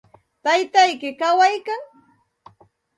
¿Taytayki kawaykan?